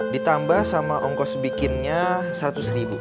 ditambah sama ongkos bikinnya seratus ribu